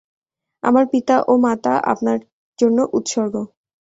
আমার পিতা ও মাতা আপনার জন্য উৎসর্গ!